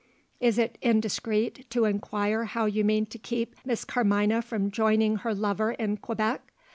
Is it indiscreet to inquire how you mean to keep Miss Carmina from joining her lover in Quebec?